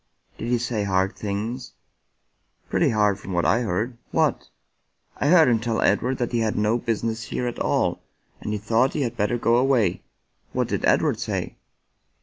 " Did he say hard things ?"" Pretty hard from what I heard." "What?" " I heard him tell Edward that he had no business here at all, and he thought he had better go away." " What did Edward say